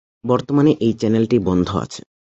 বর্তমানে এই চ্যানেলটি বন্ধ আছে।